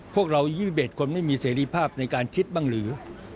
พวกเรา๒๑คนไม่มีเสรีภาพในการคิดบ้างหรือ